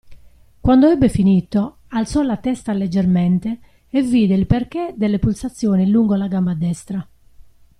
Quando ebbe finito, alzò la testa leggermente, e vide il perché delle pulsazioni lungo la gamba destra.